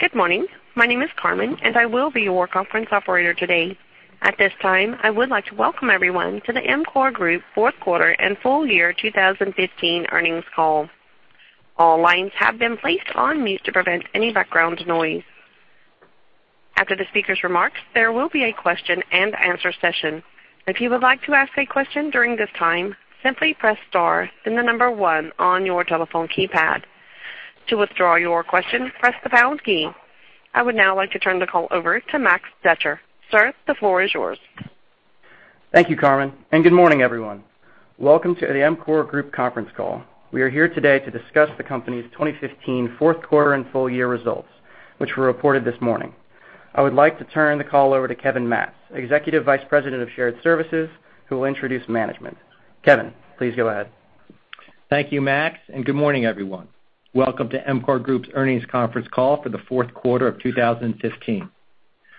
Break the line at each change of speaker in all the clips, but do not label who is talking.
Good morning. My name is Carmen, and I will be your conference operator today. At this time, I would like to welcome everyone to the EMCOR Group fourth quarter and full year 2015 earnings call. All lines have been placed on mute to prevent any background noise. After the speaker's remarks, there will be a question and answer session. If you would like to ask a question during this time, simply press star, then the number one on your telephone keypad. To withdraw your question, press the pound key. I would now like to turn the call over to Max Detter. Sir, the floor is yours.
Thank you, Carmen, and good morning, everyone. Welcome to the EMCOR Group conference call. We are here today to discuss the company's 2015 fourth quarter and full year results, which were reported this morning. I would like to turn the call over to Kevin Matz, Executive Vice President of Shared Services, who will introduce management. Kevin, please go ahead.
Thank you, Max, and good morning, everyone. Welcome to EMCOR Group's earnings conference call for the fourth quarter of 2015.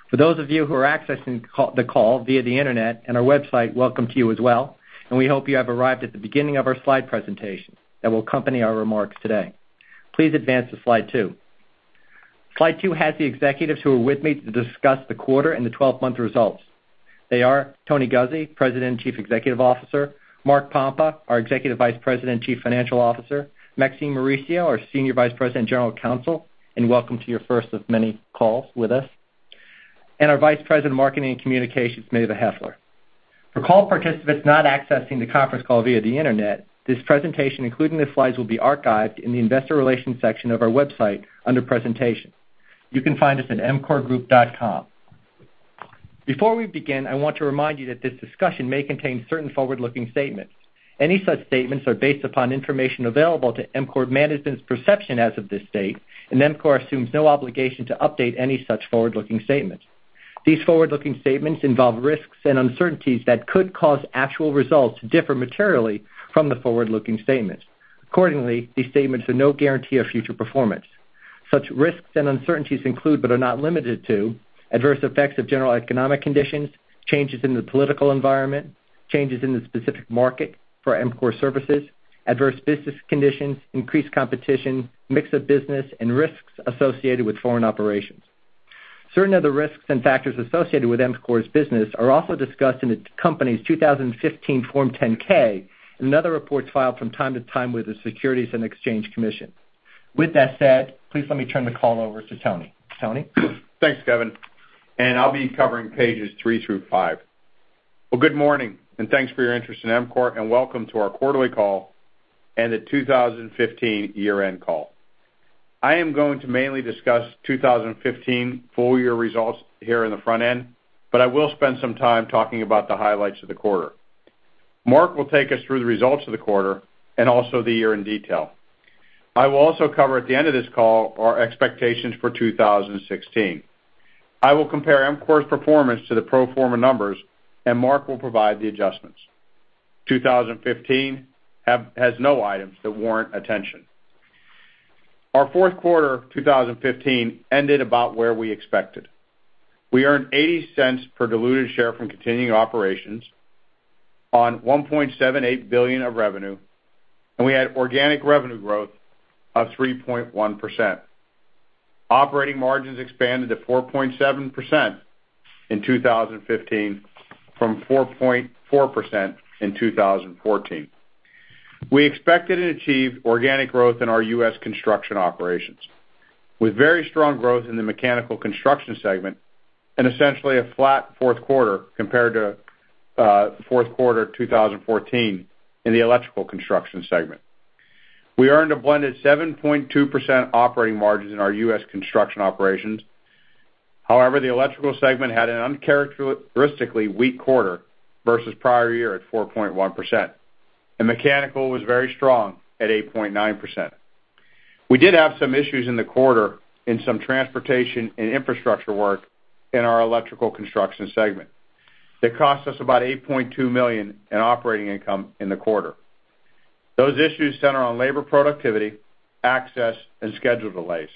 For those of you who are accessing the call via the internet and our website, welcome to you as well, and we hope you have arrived at the beginning of our slide presentation that will accompany our remarks today. Please advance to slide two. Slide two has the executives who are with me to discuss the quarter and the 12-month results. They are Tony Guzzi, President and Chief Executive Officer, Mark Pompa, our Executive Vice President and Chief Financial Officer, Maxine Mauricio, our Senior Vice President, General Counsel, and welcome to your first of many calls with us, and our Vice President of Marketing and Communications, Mava Heffler. For call participants not accessing the conference call via the internet, this presentation, including the slides, will be archived in the investor relations section of our website under presentations. You can find us at emcorgroup.com. Before we begin, I want to remind you that this discussion may contain certain forward-looking statements. Any such statements are based upon information available to EMCOR management's perception as of this date. EMCOR assumes no obligation to update any such forward-looking statements. These forward-looking statements involve risks and uncertainties that could cause actual results to differ materially from the forward-looking statements. Accordingly, these statements are no guarantee of future performance. Such risks and uncertainties include, but are not limited to adverse effects of general economic conditions, changes in the political environment, changes in the specific market for EMCOR services, adverse business conditions, increased competition, mix of business, and risks associated with foreign operations. Certain other risks and factors associated with EMCOR's business are also discussed in the company's 2015 Form 10-K and other reports filed from time to time with the Securities and Exchange Commission. With that said, please let me turn the call over to Tony. Tony?
Thanks, Kevin. I'll be covering pages three through five. Good morning, and thanks for your interest in EMCOR, and welcome to our quarterly call and the 2015 year-end call. I am going to mainly discuss 2015 full-year results here in the front end, but I will spend some time talking about the highlights of the quarter. Mark will take us through the results of the quarter and also the year in detail. I will also cover at the end of this call our expectations for 2016. I will compare EMCOR's performance to the pro forma numbers, and Mark will provide the adjustments. 2015 has no items that warrant attention. Our fourth quarter 2015 ended about where we expected. We earned $0.80 per diluted share from continuing operations on $1.78 billion of revenue, and we had organic revenue growth of 3.1%. Operating margins expanded to 4.7% in 2015 from 4.4% in 2014. We expected and achieved organic growth in our U.S. construction operations, with very strong growth in the Mechanical Construction Services segment and essentially a flat fourth quarter compared to fourth quarter 2014 in the Electrical Construction Services segment. We earned a blended 7.2% operating margin in our U.S. construction operations. The Electrical Construction Services segment had an uncharacteristically weak quarter versus prior year at 4.1%, and Mechanical Construction Services was very strong at 8.9%. We did have some issues in the quarter in some transportation and infrastructure work in our Electrical Construction Services segment that cost us about $8.2 million in operating income in the quarter. Those issues center on labor productivity, access, and schedule delays.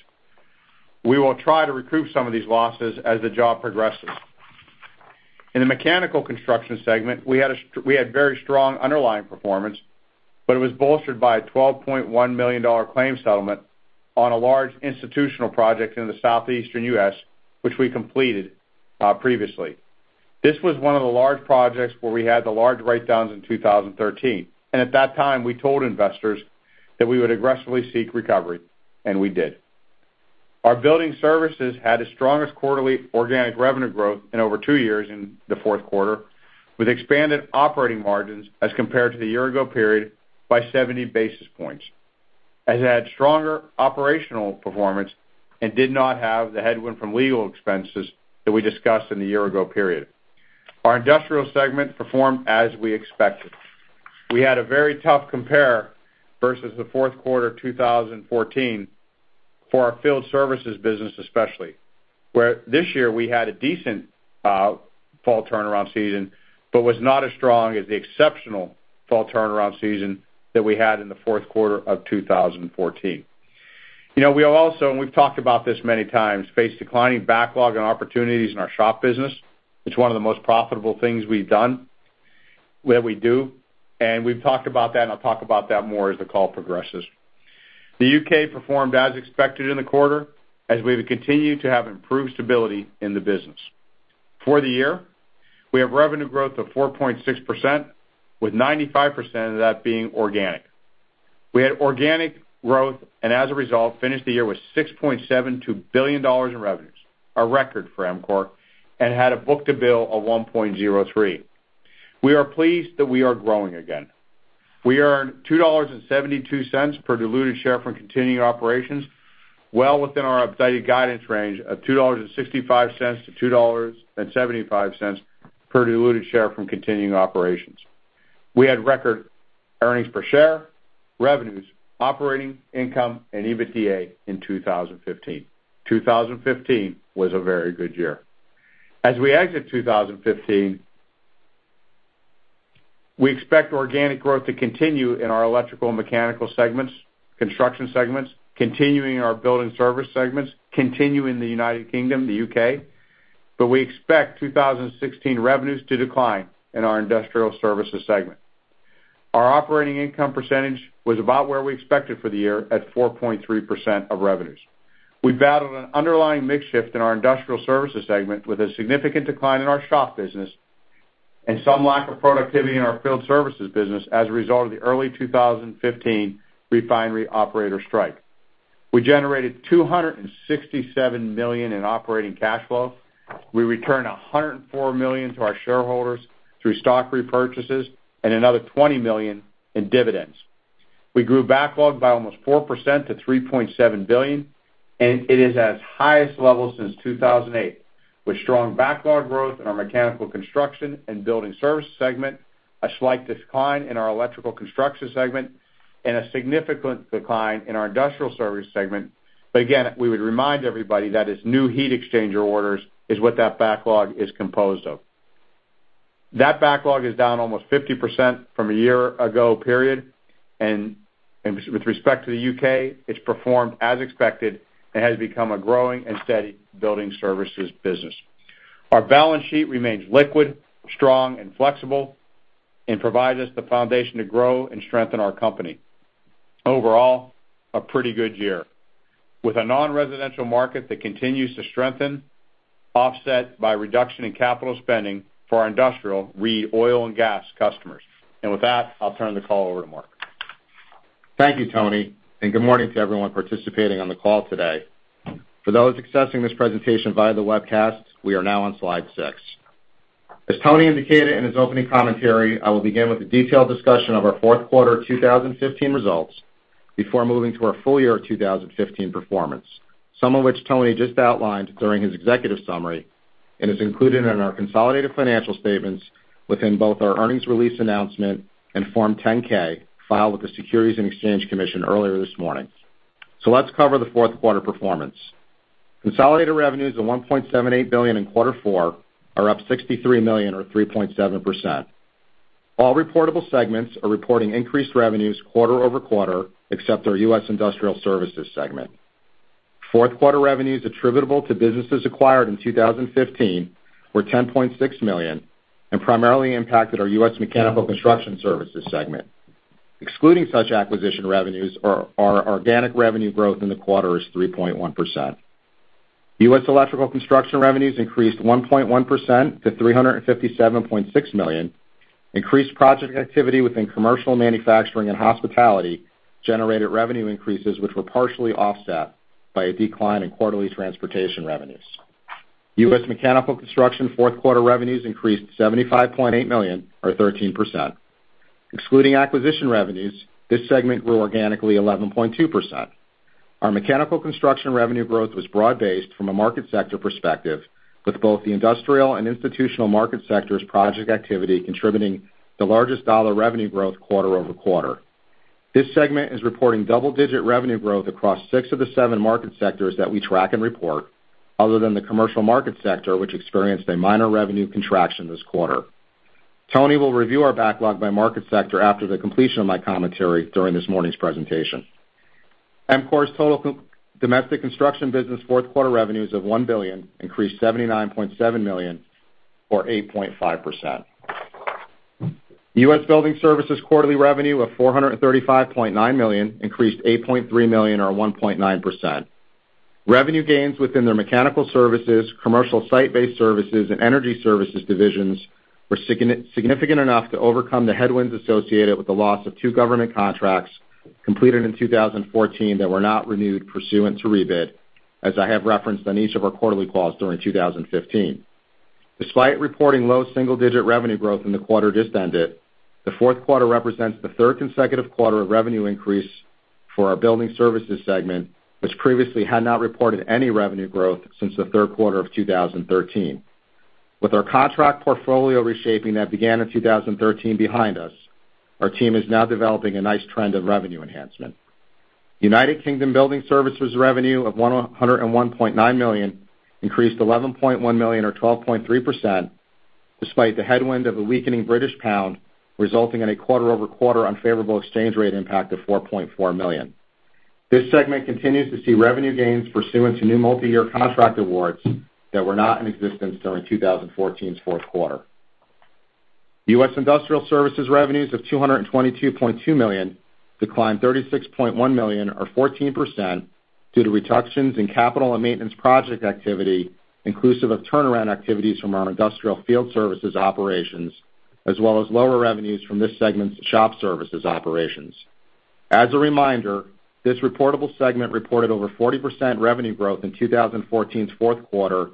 We will try to recoup some of these losses as the job progresses. In the Mechanical Construction Services segment, we had very strong underlying performance, but it was bolstered by a $12.1 million claim settlement on a large institutional project in the southeastern U.S., which we completed previously. This was one of the large projects where we had the large write-downs in 2013, and at that time, we told investors that we would aggressively seek recovery, and we did. Our building services had its strongest quarterly organic revenue growth in over two years in the fourth quarter, with expanded operating margins as compared to the year-ago period by 70 basis points, as it had stronger operational performance and did not have the headwind from legal expenses that we discussed in the year-ago period. Our Industrial Services segment performed as we expected. We had a very tough compare versus the fourth quarter of 2014 for our field services business especially, where this year we had a decent fall turnaround season but was not as strong as the exceptional fall turnaround season that we had in the fourth quarter of 2014. We have also, and we've talked about this many times, faced declining backlog and opportunities in our shop business. It's one of the most profitable things we've done. That we do, and we've talked about that, and I'll talk about that more as the call progresses. The U.K. performed as expected in the quarter, as we have continued to have improved stability in the business. For the year, we have revenue growth of 4.6%, with 95% of that being organic. As a result, finished the year with $6.72 billion in revenues, a record for EMCOR, and had a book-to-bill of 1.03. We are pleased that we are growing again. We earned $2.72 per diluted share from continuing operations, well within our updated guidance range of $2.65-$2.75 per diluted share from continuing operations. We had record earnings per share, revenues, operating income and EBITDA in 2015. 2015 was a very good year. As we exit 2015, we expect organic growth to continue in our electrical and mechanical segments, construction segments, continuing our building service segments, continue in the United Kingdom, the U.K., We expect 2016 revenues to decline in our industrial services segment. Our operating income percentage was about where we expected for the year at 4.3% of revenues. We battled an underlying mix shift in our industrial services segment with a significant decline in our shop business and some lack of productivity in our field services business as a result of the early 2015 refinery operator strike. We generated $267 million in operating cash flow. We returned $104 million to our shareholders through stock repurchases and another $20 million in dividends. We grew backlog by almost 4% to $3.7 billion. It is at its highest level since 2008, with strong backlog growth in our mechanical construction and building services segment, a slight decline in our electrical construction segment, and a significant decline in our industrial services segment. Again, we would remind everybody that it's new heat exchanger orders is what that backlog is composed of. That backlog is down almost 50% from a year ago period. With respect to the U.K., it's performed as expected and has become a growing and steady building services business. Our balance sheet remains liquid, strong and flexible, Provides us the foundation to grow and strengthen our company. Overall, a pretty good year. With a non-residential market that continues to strengthen, offset by reduction in capital spending for our industrial, re oil and gas customers. With that, I'll turn the call over to Mark.
Thank you, Tony, and good morning to everyone participating on the call today. For those accessing this presentation via the webcast, we are now on slide six. As Tony indicated in his opening commentary, I will begin with a detailed discussion of our fourth quarter 2015 results before moving to our full year 2015 performance, some of which Tony just outlined during his executive summary and is included in our consolidated financial statements within both our earnings release announcement and Form 10-K, filed with the Securities and Exchange Commission earlier this morning. Let's cover the fourth quarter performance. Consolidated revenues of $1.78 billion in quarter four are up $63 million or 3.7%. All reportable segments are reporting increased revenues quarter-over-quarter, except our U.S. Industrial Services segment. Fourth quarter revenues attributable to businesses acquired in 2015 were $10.6 million and primarily impacted our U.S. Mechanical Construction Services segment. Excluding such acquisition revenues, our organic revenue growth in the quarter is 3.1%. U.S. Electrical Construction Services revenues increased 1.1% to $357.6 million. Increased project activity within commercial manufacturing and hospitality generated revenue increases, which were partially offset by a decline in quarterly transportation revenues. U.S. Mechanical Construction Services fourth quarter revenues increased $75.8 million or 13%. Excluding acquisition revenues, this segment grew organically 11.2%. Our mechanical construction revenue growth was broad-based from a market sector perspective, with both the industrial and institutional market sectors project activity contributing the largest dollar revenue growth quarter-over-quarter. This segment is reporting double-digit revenue growth across six of the seven market sectors that we track and report, other than the commercial market sector, which experienced a minor revenue contraction this quarter. Tony will review our backlog by market sector after the completion of my commentary during this morning's presentation. EMCOR's total domestic construction business fourth quarter revenues of $1 billion increased $79.7 million or 8.5%. U.S. Building Services quarterly revenue of $435.9 million increased $8.3 million or 1.9%. Revenue gains within their mechanical services, commercial site-based services, and energy services divisions were significant enough to overcome the headwinds associated with the loss of two government contracts completed in 2014 that were not renewed pursuant to rebid, as I have referenced on each of our quarterly calls during 2015. Despite reporting low single-digit revenue growth in the quarter just ended, the fourth quarter represents the third consecutive quarter of revenue increase for our building services segment, which previously had not reported any revenue growth since the third quarter of 2013. With our contract portfolio reshaping that began in 2013 behind us, our team is now developing a nice trend of revenue enhancement. United Kingdom Building Services revenue of $101.9 million increased $11.1 million or 12.3%, despite the headwind of a weakening British pound resulting in a quarter-over-quarter unfavorable exchange rate impact of 4.4 million. This segment continues to see revenue gains pursuant to new multi-year contract awards that were not in existence during 2014's fourth quarter. U.S. Industrial Services revenues of $222.2 million declined $36.1 million or 14% due to reductions in capital and maintenance project activity, inclusive of turnaround activities from our industrial field services operations, as well as lower revenues from this segment's shop services operations. As a reminder, this reportable segment reported over 40% revenue growth in 2014's fourth quarter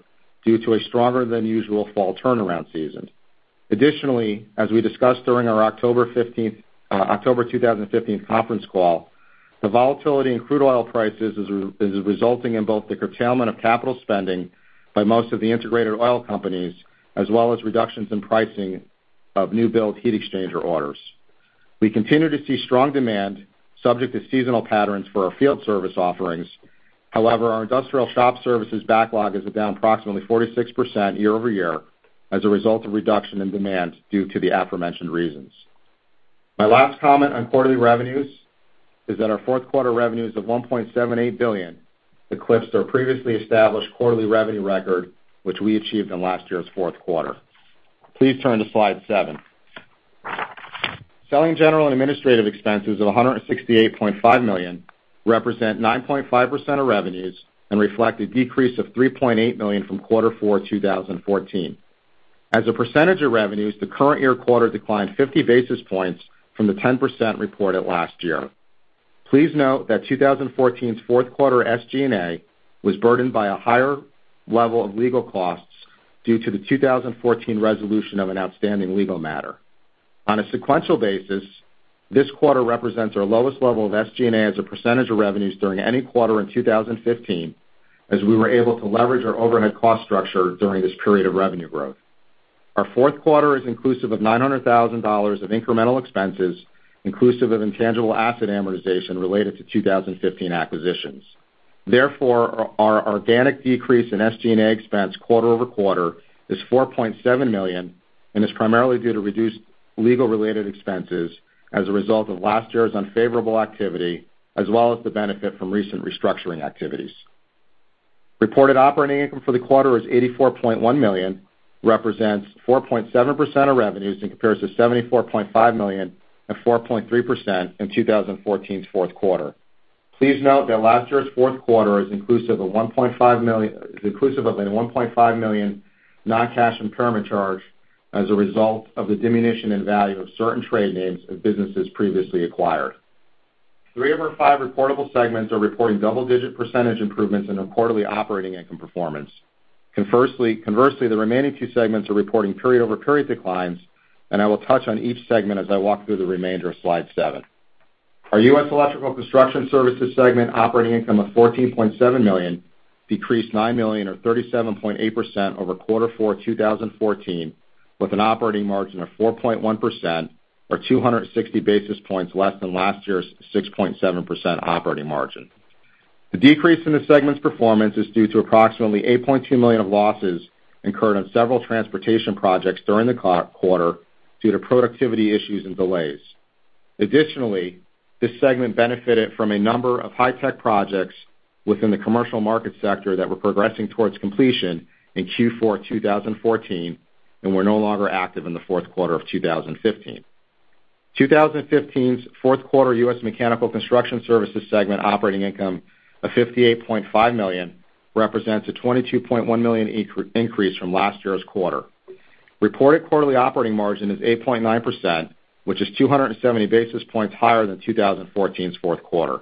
due to a stronger than usual fall turnaround season. Additionally, as we discussed during our October 2015 conference call, the volatility in crude oil prices is resulting in both the curtailment of capital spending by most of the integrated oil companies, as well as reductions in pricing of new build heat exchanger orders. We continue to see strong demand subject to seasonal patterns for our field service offerings. However, our industrial shop services backlog is down approximately 46% year-over-year as a result of reduction in demand due to the aforementioned reasons. My last comment on quarterly revenues is that our fourth quarter revenues of $1.78 billion eclipsed our previously established quarterly revenue record, which we achieved in last year's fourth quarter. Please turn to slide seven. Selling, general and administrative expenses of $168.5 million represent 9.5% of revenues and reflect a decrease of $3.8 million from Q4 2014. As a percentage of revenues, the current year quarter declined 50 basis points from the 10% reported last year. Please note that 2014's fourth quarter SG&A was burdened by a higher level of legal costs due to the 2014 resolution of an outstanding legal matter. On a sequential basis, this quarter represents our lowest level of SG&A as a percentage of revenues during any quarter in 2015, as we were able to leverage our overhead cost structure during this period of revenue growth. Our fourth quarter is inclusive of $900,000 of incremental expenses, inclusive of intangible asset amortization related to 2015 acquisitions. Therefore, our organic decrease in SG&A expense quarter-over-quarter is $4.7 million and is primarily due to reduced legal related expenses as a result of last year's unfavorable activity, as well as the benefit from recent restructuring activities. Reported operating income for the quarter is $84.1 million, represents 4.7% of revenues, and compares to $74.5 million and 4.3% in 2014's fourth quarter. Please note that last year's fourth quarter is inclusive of a $1.5 million non-cash impairment charge as a result of the diminution in value of certain trade names of businesses previously acquired. Three of our five reportable segments are reporting double-digit percentage improvements in our quarterly operating income performance. Conversely, the remaining two segments are reporting period-over-period declines, and I will touch on each segment as I walk through the remainder of slide seven. Our U.S. Electrical Construction Services segment operating income of $14.7 million decreased $9 million or 37.8% over Q4 2014, with an operating margin of 4.1%, or 260 basis points less than last year's 6.7% operating margin. The decrease in the segment's performance is due to approximately $8.2 million of losses incurred on several transportation projects during the quarter due to productivity issues and delays. Additionally, this segment benefited from a number of high-tech projects within the commercial market sector that were progressing towards completion in Q4 2014 and were no longer active in the fourth quarter of 2015. 2015's fourth quarter U.S. Mechanical Construction Services segment operating income of $58.5 million represents a $22.1 million increase from last year's quarter. Reported quarterly operating margin is 8.9%, which is 270 basis points higher than 2014's fourth quarter.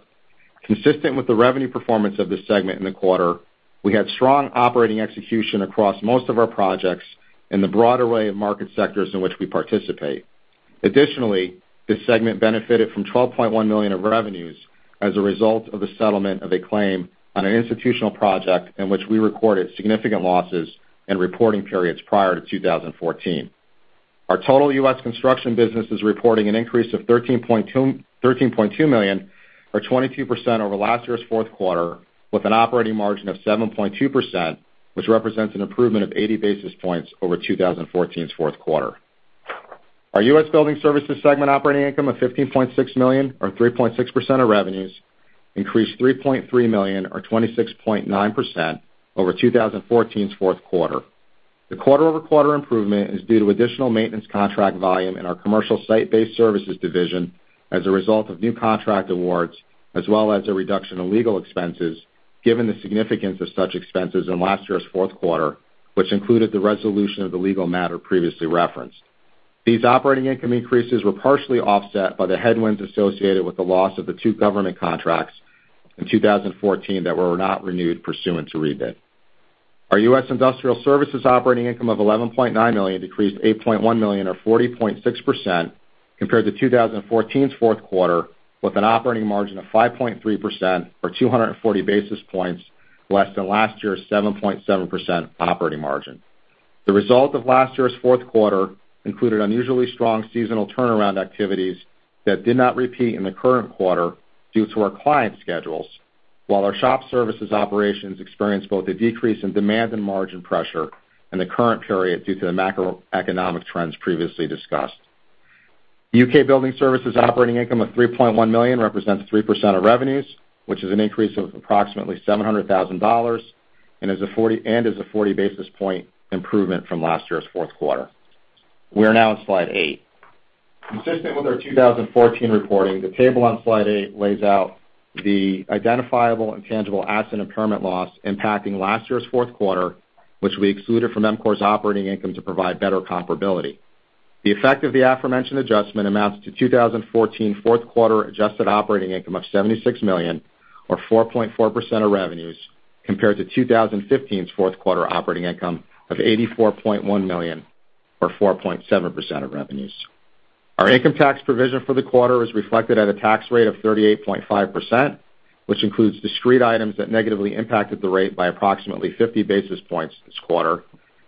Consistent with the revenue performance of this segment in the quarter, we had strong operating execution across most of our projects in the broad array of market sectors in which we participate. Additionally, this segment benefited from $12.1 million of revenues as a result of the settlement of a claim on an institutional project in which we recorded significant losses in reporting periods prior to 2014. Our total U.S. construction business is reporting an increase of $13.2 million or 22% over last year's fourth quarter, with an operating margin of 7.2%, which represents an improvement of 80 basis points over 2014's fourth quarter. Our U.S. Building Services segment operating income of $15.6 million or 3.6% of revenues increased $3.3 million or 26.9% over 2014's fourth quarter. The quarter-over-quarter improvement is due to additional maintenance contract volume in our commercial site-based services division as a result of new contract awards, as well as a reduction in legal expenses, given the significance of such expenses in last year's fourth quarter, which included the resolution of the legal matter previously referenced. These operating income increases were partially offset by the headwinds associated with the loss of the two government contracts in 2014 that were not renewed pursuant to rebid. Our U.S. Industrial Services operating income of $11.9 million decreased $8.1 million or 40.6% compared to 2014's fourth quarter, with an operating margin of 5.3% or 240 basis points less than last year's 7.7% operating margin. The result of last year's fourth quarter included unusually strong seasonal turnaround activities that did not repeat in the current quarter due to our client schedules, while our shop services operations experienced both a decrease in demand and margin pressure in the current period due to the macroeconomic trends previously discussed. U.K. Building Services operating income of $3.1 million represents 3% of revenues, which is an increase of approximately $700,000 and is a 40 basis point improvement from last year's fourth quarter. We are now on slide eight. Consistent with our 2014 reporting, the table on slide eight lays out the identifiable intangible asset impairment loss impacting last year's fourth quarter, which we excluded from EMCOR's operating income to provide better comparability. The effect of the aforementioned adjustment amounts to 2014 fourth quarter adjusted operating income of $76 million, or 4.4% of revenues, compared to 2015's fourth quarter operating income of $84.1 million, or 4.7% of revenues. Our income tax provision for the quarter is reflected at a tax rate of 38.5%, which includes discrete items that negatively impacted the rate by approximately 50 basis points this quarter.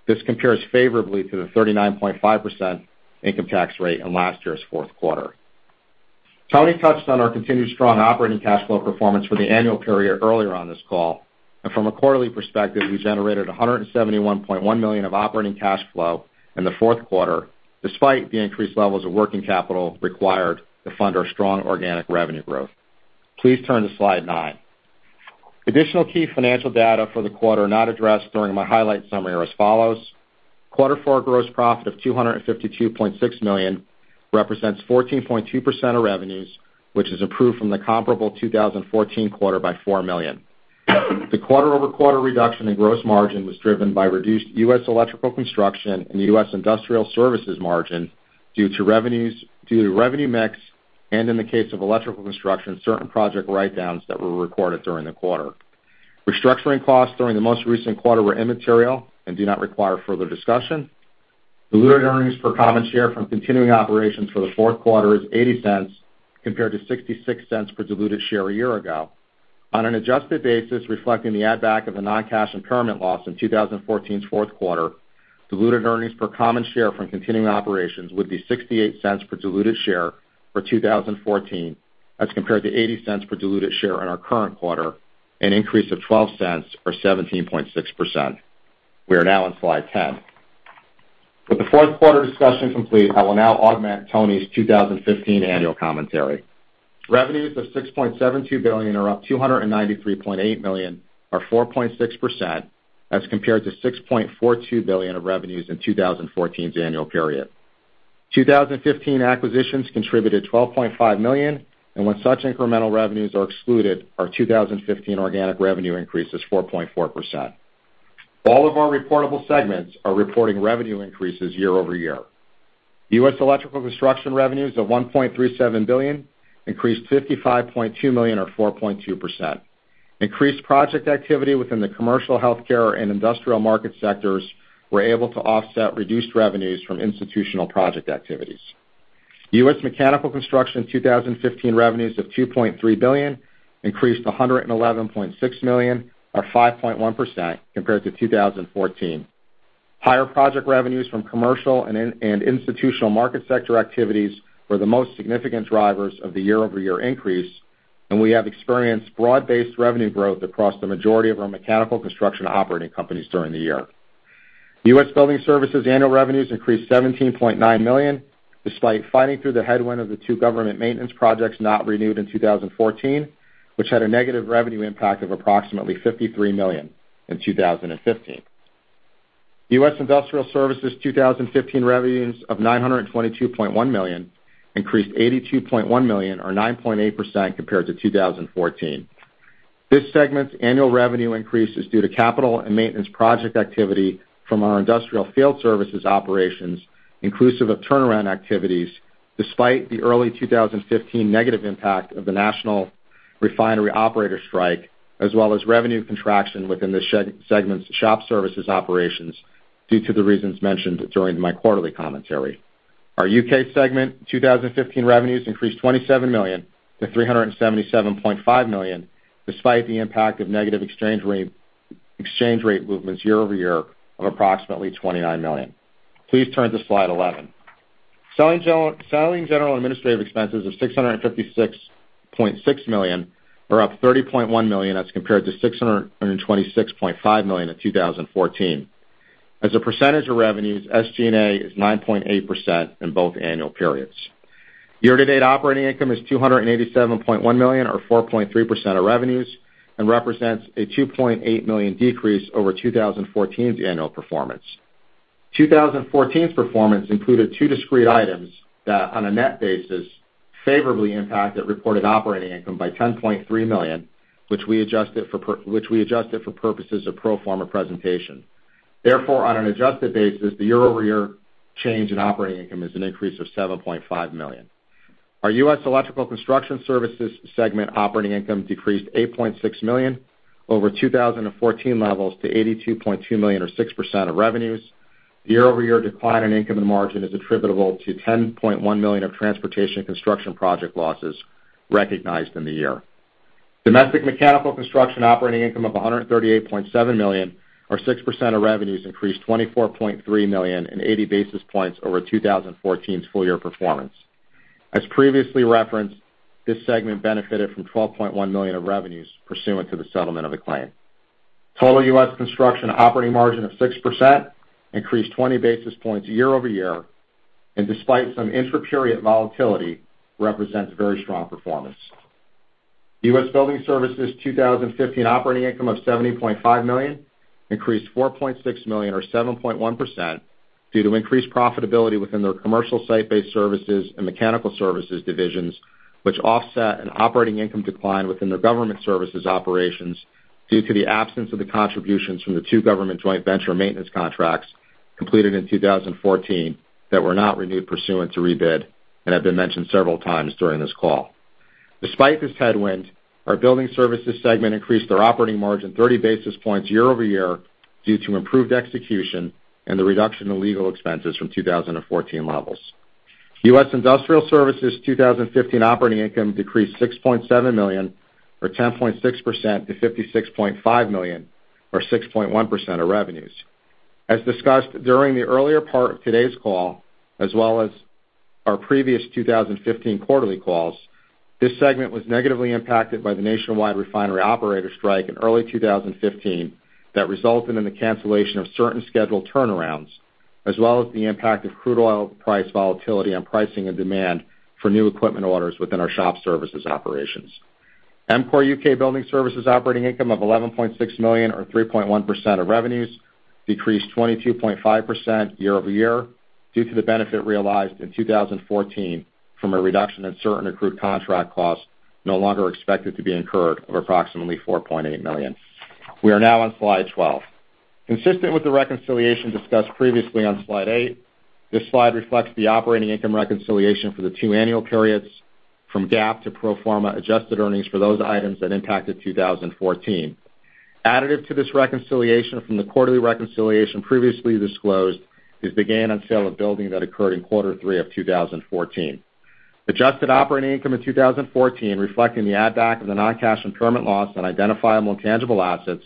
This compares favorably to the 39.5% income tax rate in last year's fourth quarter. Tony touched on our continued strong operating cash flow performance for the annual period earlier on this call. From a quarterly perspective, we generated $171.1 million of operating cash flow in the fourth quarter, despite the increased levels of working capital required to fund our strong organic revenue growth. Please turn to slide nine. Additional key financial data for the quarter not addressed during my highlight summary are as follows. Quarter four gross profit of $252.6 million represents 14.2% of revenues, which is improved from the comparable 2014 quarter by $4 million. The quarter-over-quarter reduction in gross margin was driven by reduced U.S. Electrical Construction and U.S. Industrial Services margin due to revenue mix, and in the case of electrical construction, certain project write-downs that were recorded during the quarter. Restructuring costs during the most recent quarter were immaterial and do not require further discussion. Diluted earnings per common share from continuing operations for the fourth quarter is $0.80 compared to $0.66 per diluted share a year ago. On an adjusted basis, reflecting the add back of a non-cash impairment loss in Q4 2014, diluted earnings per common share from continuing operations would be $0.68 per diluted share for 2014 as compared to $0.80 per diluted share in our current quarter, an increase of $0.12 or 17.6%. We are now on slide 10. With the fourth quarter discussion complete, I will now augment Tony's 2015 annual commentary. Revenues of $6.72 billion are up $293.8 million, or 4.6%, as compared to $6.42 billion of revenues in 2014's annual period. 2015 acquisitions contributed $12.5 million, and when such incremental revenues are excluded, our 2015 organic revenue increase is 4.4%. All of our reportable segments are reporting revenue increases year-over-year. U.S. Electrical Construction revenues of $1.37 billion increased $55.2 million, or 4.2%. Increased project activity within the commercial, healthcare, and industrial market sectors were able to offset reduced revenues from institutional project activities. U.S. Mechanical Construction 2015 revenues of $2.3 billion increased $111.6 million, or 5.1%, compared to 2014. Higher project revenues from commercial and institutional market sector activities were the most significant drivers of the year-over-year increase. We have experienced broad-based revenue growth across the majority of our mechanical construction operating companies during the year. U.S. Building Services annual revenues increased $17.9 million, despite fighting through the headwind of the two government maintenance projects not renewed in 2014, which had a negative revenue impact of approximately $53 million in 2015. U.S. Industrial Services 2015 revenues of $922.1 million increased $82.1 million or 9.8% compared to 2014. This segment's annual revenue increase is due to capital and maintenance project activity from our industrial field services operations, inclusive of turnaround activities, despite the early 2015 negative impact of the national refinery operator strike, as well as revenue contraction within the segment's shop services operations due to the reasons mentioned during my quarterly commentary. Our U.K. segment 2015 revenues increased $27 million to $377.5 million, despite the impact of negative exchange rate movements year-over-year of approximately $29 million. Please turn to slide 11. Selling, General, and Administrative expenses of $656.6 million are up $30.1 million as compared to $626.5 million in 2014. As a percentage of revenues, SG&A is 9.8% in both annual periods. Year-to-date operating income is $287.1 million or 4.3% of revenues and represents a $2.8 million decrease over 2014's annual performance. 2014's performance included two discrete items that, on a net basis, favorably impacted reported operating income by $10.3 million, which we adjusted for purposes of pro forma presentation. On an adjusted basis, the year-over-year change in operating income is an increase of $7.5 million. Our U.S. Electrical Construction Services segment operating income decreased $8.6 million over 2014 levels to $82.2 million or 6% of revenues. Year-over-year decline in income and margin is attributable to $10.1 million of transportation construction project losses recognized in the year. U.S. Mechanical Construction operating income of $138.7 million or 6% of revenues increased $24.3 million and 80 basis points over 2014's full year performance. As previously referenced, this segment benefited from $12.1 million of revenues pursuant to the settlement of a claim. Total U.S. construction operating margin of 6% increased 20 basis points year-over-year, despite some intra-period volatility, represents very strong performance. U.S. Building Services 2015 operating income of $70.5 million increased $4.6 million or 7.1% due to increased profitability within their commercial site-based services and mechanical services divisions, which offset an operating income decline within the government services operations due to the absence of the contributions from the two government joint venture maintenance contracts completed in 2014 that were not renewed pursuant to rebid and have been mentioned several times during this call. Despite this headwind, our building services segment increased their operating margin 30 basis points year-over-year due to improved execution and the reduction in legal expenses from 2014 levels. U.S. Industrial Services 2015 operating income decreased $6.7 million or 10.6% to $56.5 million or 6.1% of revenues. As discussed during the earlier part of today's call, as well as our previous 2015 quarterly calls, this segment was negatively impacted by the nationwide refinery operator strike in early 2015 that resulted in the cancellation of certain scheduled turnarounds, as well as the impact of crude oil price volatility on pricing and demand for new equipment orders within our shop services operations. EMCOR UK Building Services operating income of $11.6 million or 3.1% of revenues decreased 22.5% year-over-year due to the benefit realized in 2014 from a reduction in certain accrued contract costs no longer expected to be incurred of approximately $4.8 million. We are now on slide 12. Consistent with the reconciliation discussed previously on slide eight, this slide reflects the operating income reconciliation for the two annual periods from GAAP to pro forma adjusted earnings for those items that impacted 2014. Additive to this reconciliation from the quarterly reconciliation previously disclosed is the gain on sale of building that occurred in quarter three of 2014. Adjusted operating income in 2014, reflecting the add back of the non-cash impairment loss on identifiable intangible assets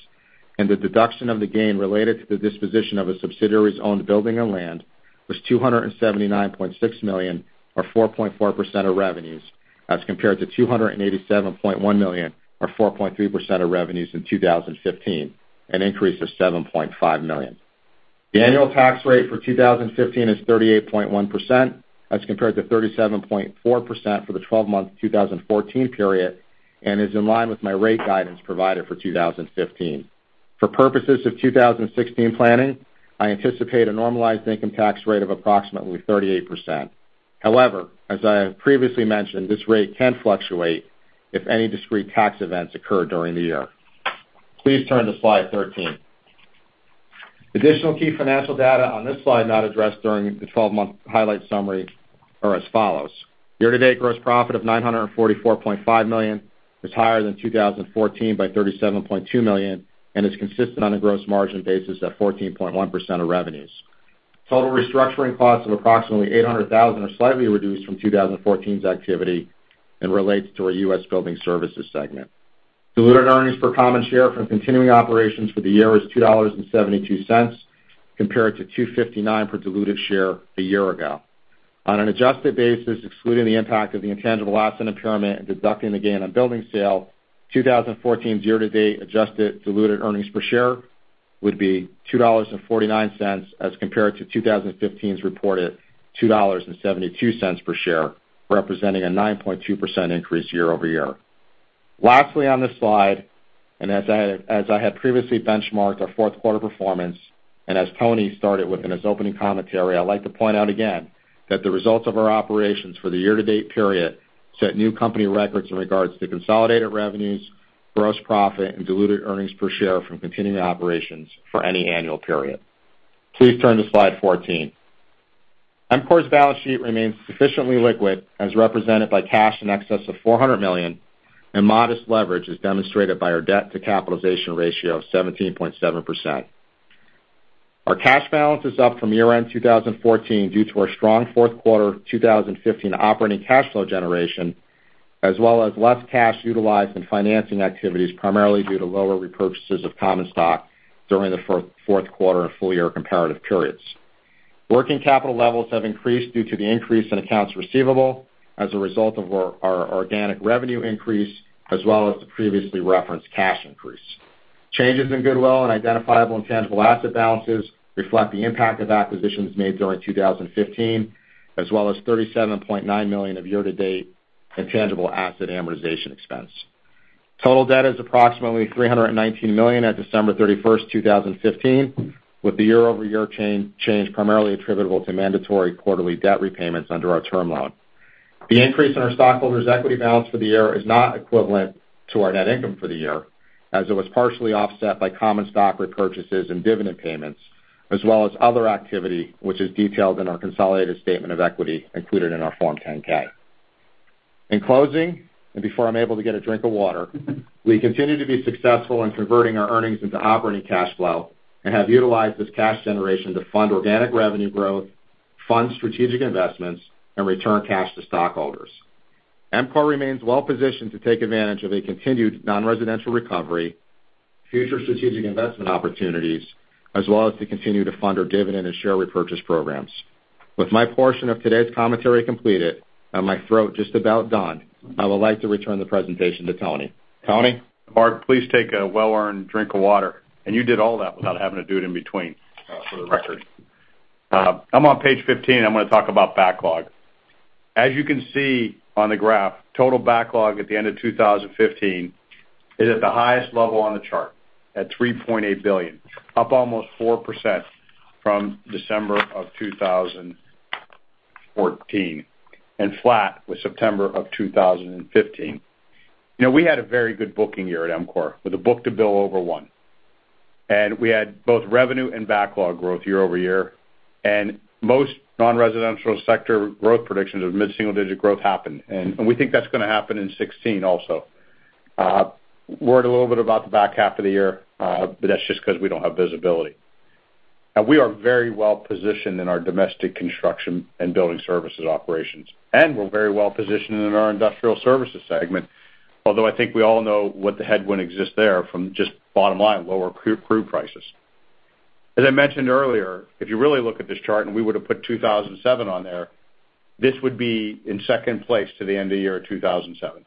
and the deduction of the gain related to the disposition of a subsidiary's owned building and land was $279.6 million or 4.4% of revenues as compared to $287.1 million or 4.3% of revenues in 2015, an increase of $7.5 million. The annual tax rate for 2015 is 38.1%, as compared to 37.4% for the 12-month 2014 period, and is in line with my rate guidance provided for 2015. For purposes of 2016 planning, I anticipate a normalized income tax rate of approximately 38%. As I have previously mentioned, this rate can fluctuate if any discrete tax events occur during the year. Please turn to slide 13. Additional key financial data on this slide not addressed during the 12-month highlight summary are as follows. Year-to-date gross profit of $944.5 million was higher than 2014 by $37.2 million and is consistent on a gross margin basis at 14.1% of revenues. Total restructuring costs of approximately $800,000 are slightly reduced from 2014's activity and relates to our U.S. Building Services segment. Diluted earnings per common share from continuing operations for the year is $2.72, compared to $2.59 per diluted share a year ago. On an adjusted basis, excluding the impact of the intangible asset impairment and deducting the gain on building sale, 2014's year-to-date adjusted diluted earnings per share would be $2.49 as compared to 2015's reported $2.72 per share, representing a 9.2% increase year-over-year. Lastly, on this slide, as I had previously benchmarked our fourth quarter performance, as Tony started with in his opening commentary, I'd like to point out again that the results of our operations for the year-to-date period set new company records in regards to consolidated revenues, gross profit and diluted earnings per share from continuing operations for any annual period. Please turn to slide 14. EMCOR's balance sheet remains sufficiently liquid, as represented by cash in excess of $400 million, and modest leverage is demonstrated by our debt to capitalization ratio of 17.7%. Our cash balance is up from year-end 2014 due to our strong fourth quarter 2015 operating cash flow generation, as well as less cash utilized in financing activities, primarily due to lower repurchases of common stock during the fourth quarter and full year comparative periods. Working capital levels have increased due to the increase in accounts receivable as a result of our organic revenue increase as well as the previously referenced cash increase. Changes in goodwill and identifiable intangible asset balances reflect the impact of acquisitions made during 2015, as well as $37.9 million of year-to-date intangible asset amortization expense. Total debt is approximately $319 million at December 31st, 2015, with the year-over-year change primarily attributable to mandatory quarterly debt repayments under our term loan. The increase in our stockholders' equity balance for the year is not equivalent to our net income for the year, as it was partially offset by common stock repurchases and dividend payments, as well as other activity, which is detailed in our consolidated statement of equity included in our Form 10-K. In closing, before I'm able to get a drink of water, we continue to be successful in converting our earnings into operating cash flow and have utilized this cash generation to fund organic revenue growth, fund strategic investments, and return cash to stockholders. EMCOR remains well positioned to take advantage of a continued non-residential recovery, future strategic investment opportunities, as well as to continue to fund our dividend and share repurchase programs. With my portion of today's commentary completed, my throat just about done, I would like to return the presentation to Tony. Tony?
Mark, please take a well-earned drink of water. You did all that without having to do it in between, for the record. I'm on page 15, I'm going to talk about backlog. As you can see on the graph, total backlog at the end of 2015 is at the highest level on the chart, at $3.8 billion, up almost 4% from December of 2014, flat with September of 2015. We had a very good booking year at EMCOR, with a book-to-bill over one. We had both revenue and backlog growth year-over-year. Most non-residential sector growth predictions of mid-single-digit growth happened. We think that's going to happen in 2016 also. Worried a little bit about the back half of the year, that's just because we don't have visibility. We are very well-positioned in our domestic construction and building services operations. We're very well-positioned in our Industrial Segment, although I think we all know what the headwind exists there from just bottom line, lower crude prices. As I mentioned earlier, if you really look at this chart, we would've put 2007 on there, this would be in second place to the end of year 2007.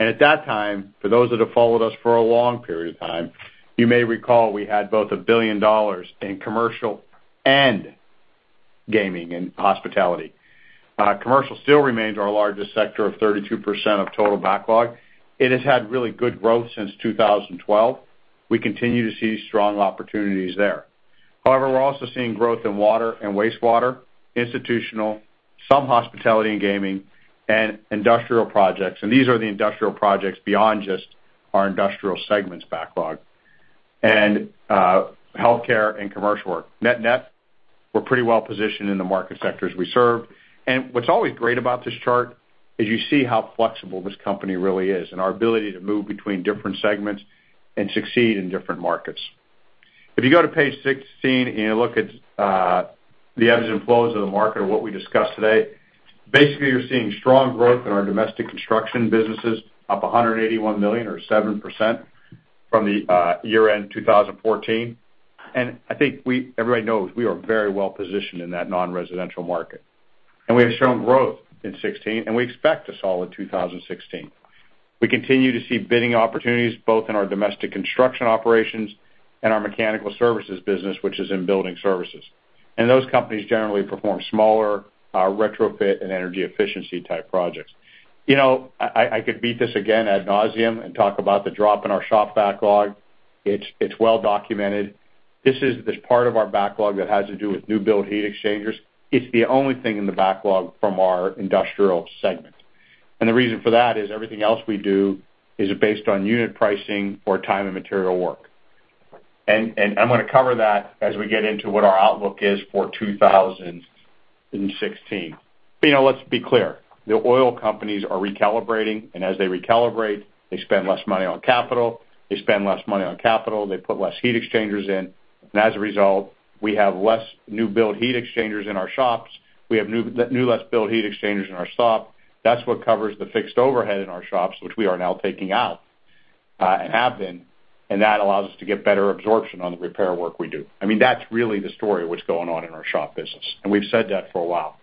At that time, for those that have followed us for a long period of time, you may recall we had both $1 billion in commercial and gaming and hospitality. Commercial still remains our largest sector of 32% of total backlog. It has had really good growth since 2012. We continue to see strong opportunities there. However, we're also seeing growth in water and wastewater, institutional, some hospitality and gaming, and industrial projects. These are the industrial projects beyond just our Industrial Segment's backlog. Healthcare and commercial work. Net net, we're pretty well-positioned in the market sectors we serve. What's always great about this chart is you see how flexible this company really is, and our ability to move between different segments and succeed in different markets. If you go to page 16 and you look at the ebbs and flows of the market or what we discussed today, basically you're seeing strong growth in our domestic construction businesses, up $181 million or 7% from the year-end 2014. I think everybody knows we are very well-positioned in that non-residential market. We have shown growth in 2016, and we expect a solid 2016. We continue to see bidding opportunities both in our domestic construction operations and our mechanical services business, which is in building services. Those companies generally perform smaller retrofit and energy efficiency type projects. I could beat this again ad nauseam and talk about the drop in our shop backlog. It's well documented. This is this part of our backlog that has to do with new build heat exchangers. It's the only thing in the backlog from our Industrial Segment. The reason for that is everything else we do is based on unit pricing or time and material work. I'm going to cover that as we get into what our outlook is for 2016. Let's be clear, the oil companies are recalibrating, and as they recalibrate, they spend less money on capital, they put less heat exchangers in, and as a result, we have less new build heat exchangers in our shops. That's what covers the fixed overhead in our shops, which we are now taking out, and have been, and that allows us to get better absorption on the repair work we do. That's really the story of what's going on in our shop business, and we've said that for a while.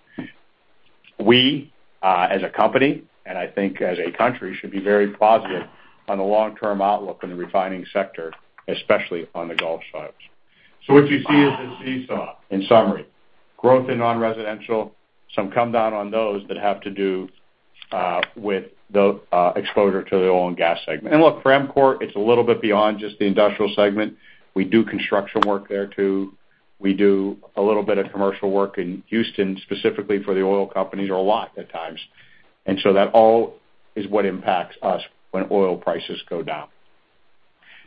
We, as a company, and I think as a country, should be very positive on the long-term outlook in the refining sector, especially on the Gulf Coast. What you see is a seesaw in summary. Growth in non-residential, some come down on those that have to do with the exposure to the oil and gas segment. Look, for EMCOR, it's a little bit beyond just the Industrial Segment. We do construction work there too. We do a little bit of commercial work in Houston, specifically for the oil companies, or a lot at times. That all is what impacts us when oil prices go down.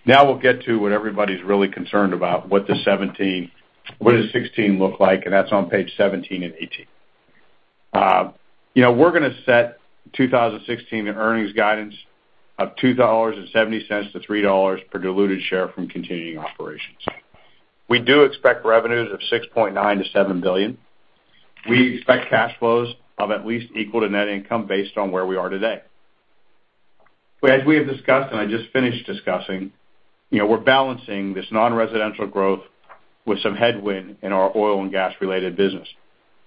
Now we'll get to what everybody's really concerned about, what does 2016 look like, and that's on page 17 and 18. We're going to set 2016 earnings guidance of $2.70 to $3.00 per diluted share from continuing operations. We do expect revenues of $6.9 billion to $7 billion. We expect cash flows of at least equal to net income based on where we are today. As we have discussed, and I just finished discussing, we're balancing this non-residential growth with some headwind in our oil and gas related business.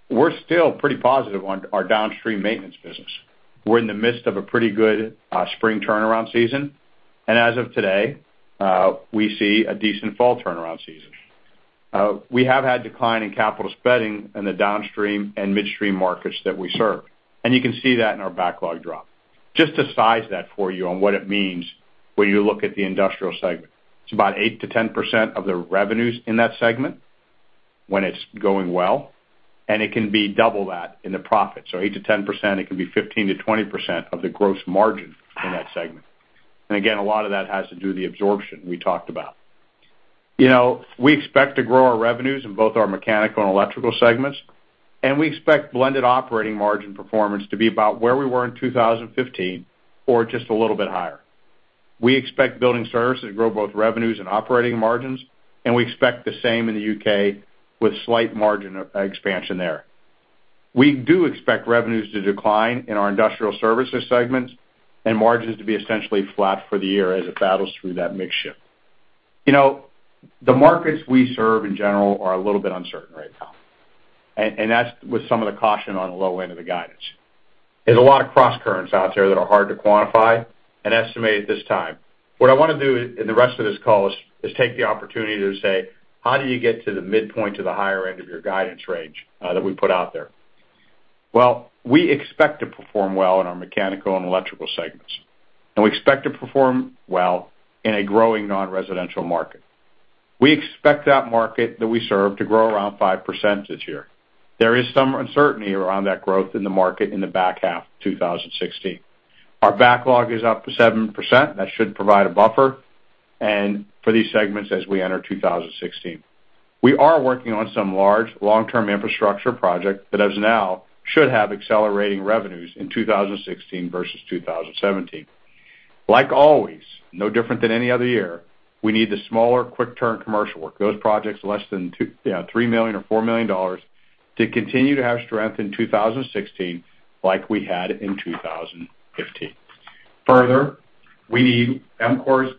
We're still pretty positive on our downstream maintenance business. We're in the midst of a pretty good spring turnaround season. As of today, we see a decent fall turnaround season. We have had decline in capital spending in the downstream and midstream markets that we serve. You can see that in our backlog drop. Just to size that for you on what it means when you look at the industrial segment. It's about 8% to 10% of the revenues in that segment when it's going well, and it can be double that in the profit. So 8% to 10%, it can be 15% to 20% of the gross margin in that segment. Again, a lot of that has to do with the absorption we talked about. We expect to grow our revenues in both our mechanical and electrical segments, and we expect blended operating margin performance to be about where we were in 2015, or just a little bit higher. We expect building services to grow both revenues and operating margins, and we expect the same in the U.K. with slight margin expansion there. We do expect revenues to decline in our industrial services segments and margins to be essentially flat for the year as it battles through that mix shift. The markets we serve in general are a little bit uncertain right now, and that's with some of the caution on the low end of the guidance. There's a lot of cross currents out there that are hard to quantify and estimate at this time. What I want to do in the rest of this call is take the opportunity to say, how do you get to the midpoint to the higher end of your guidance range that we put out there? Well, we expect to perform well in our mechanical and electrical segments, and we expect to perform well in a growing non-residential market. We expect that market that we serve to grow around 5% this year. There is some uncertainty around that growth in the market in the back half of 2016. Our backlog is up to 7%. That should provide a buffer. For these segments as we enter 2016. We are working on some large long-term infrastructure project that as of now, should have accelerating revenues in 2016 versus 2017. Like always, no different than any other year, we need the smaller, quick turn commercial work. Those projects are less than $3 million or $4 million to continue to have strength in 2016 like we had in 2015. Further, we need EMCOR's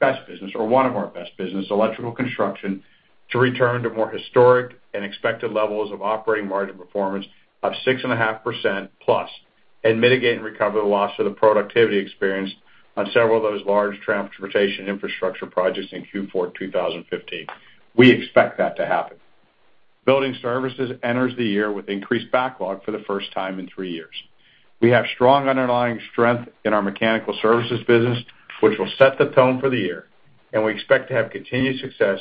best business or one of our best business, electrical construction, to return to more historic and expected levels of operating margin performance of 6.5% plus, and mitigate and recover the loss of the productivity experienced on several of those large transportation infrastructure projects in Q4 2015. We expect that to happen. Building services enters the year with increased backlog for the first time in three years. We have strong underlying strength in our mechanical services business, which will set the tone for the year. We expect to have continued success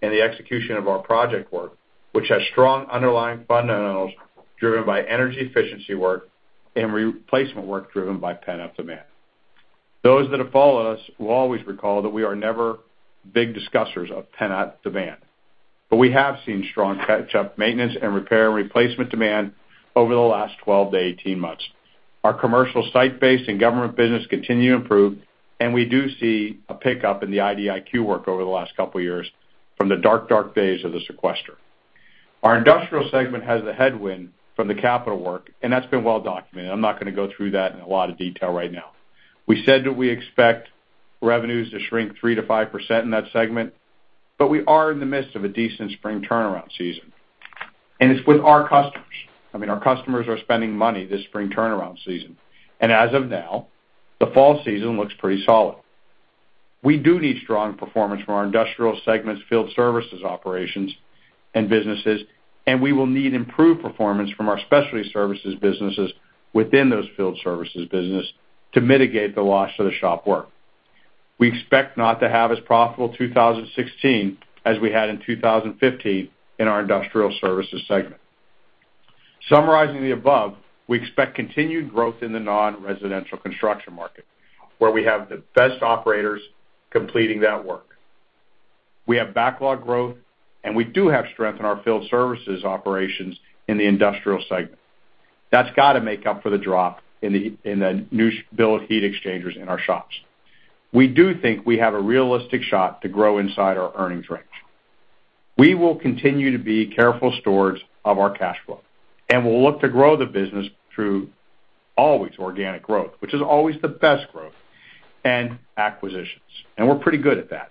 in the execution of our project work, which has strong underlying fundamentals driven by energy efficiency work and replacement work driven by pent-up demand. Those that have followed us will always recall that we are never big discussers of pent-up demand. We have seen strong catch-up maintenance and repair replacement demand over the last 12-18 months. Our commercial site-based and government business continue to improve. We do see a pickup in the IDIQ work over the last couple of years from the dark days of the sequester. Our industrial segment has the headwind from the capital work. That's been well documented. I'm not going to go through that in a lot of detail right now. We said that we expect revenues to shrink 3%-5% in that segment. We are in the midst of a decent spring turnaround season. It's with our customers. Our customers are spending money this spring turnaround season. As of now, the fall season looks pretty solid. We do need strong performance from our industrial segment's field services operations and businesses. We will need improved performance from our specialty services businesses within those field services business to mitigate the loss of the shop work. We expect not to have as profitable 2016 as we had in 2015 in our industrial services segment. Summarizing the above, we expect continued growth in the non-residential construction market, where we have the best operators completing that work. We have backlog growth. We do have strength in our field services operations in the industrial segment. That's got to make up for the drop in the new build heat exchangers in our shops. We do think we have a realistic shot to grow inside our earnings range. We will continue to be careful stewards of our cash flow. We'll look to grow the business through always organic growth, which is always the best growth and acquisitions. We're pretty good at that.